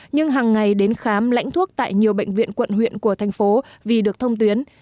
nhưng hàng ngày đến khám lãnh thuốc tại nhiều bệnh viện quận huyện của thành phố vì được thông tuyến